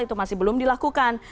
itu masih belum dilakukan